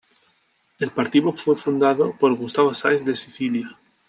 El partido fue fundado por Gustavo Sáenz de Sicilia.